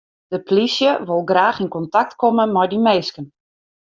De plysje wol graach yn kontakt komme mei dy minsken.